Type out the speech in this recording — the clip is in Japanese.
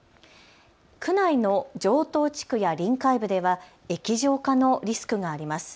区内の城東地区や臨海部では液状化のリスクがあります。